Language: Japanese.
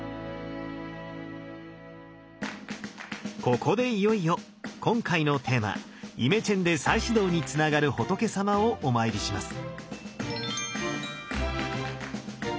ここでいよいよ今回のテーマ「イメチェンで再始動」につながる仏様をお参りします。